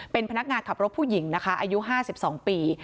เป็นพนักงานขับรถผู้หญิงนะคะอายุ๕๒ปี